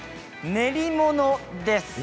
練り物です。